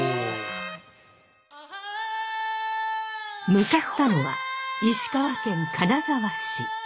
向かったのは石川県金沢市。